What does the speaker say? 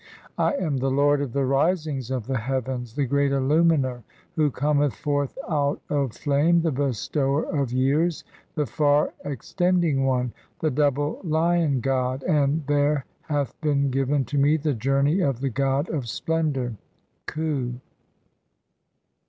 [I am] the lord of the risings of the heavens, the "Great Illuminer who cometh forth out of flame, the bestower "of years, the far extending One, the double Lion god, and "there hath been given to me (3) the journey of the god of "splendour (Khu).